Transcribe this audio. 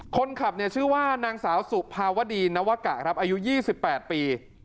คนขับเนี่ยชื่อว่านางสาวสุภาวดีนวกะครับอายุ๒๘ปี